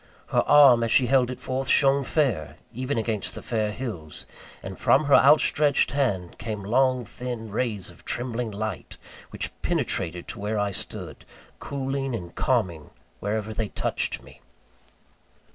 Her arm, as she held it forth, shone fair, even against the fair hills; and from her outstretched hand came long thin rays of trembling light, which penetrated to where I stood, cooling and calming wherever they touched me.